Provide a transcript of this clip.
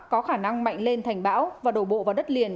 có khả năng mạnh lên thành bão và đổ bộ vào đất liền